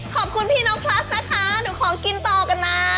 ขอบคุณพี่น้องพลัสนะคะหนูขอกินต่อกันนะ